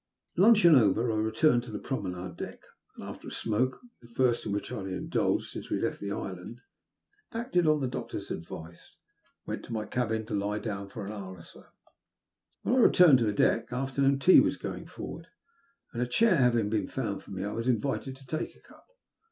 Luncheon over, I returned to the promenade deck, and, after a smoke — the first in which I had indulged since we left the island — acted on the doctor's advice, and went to my cabin to lie doWn for an hour or so. When I returned to the deck, afternoon tea was going forward, and a chair having been found for me, I was invited to take a cup.